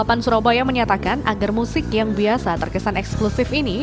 pt kai daops delapan surabaya menyatakan agar musik yang biasa terkesan eksklusif ini